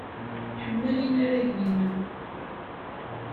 Ḥemmel inaragen-nnem.